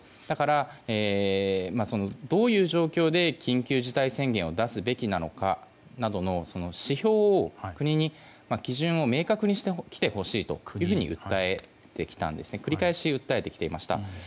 だから、どういう状況で緊急事態宣言を出すべきなのかなどの指標を、国に基準を明確にしてきてほしいと繰り返し訴えてきていました。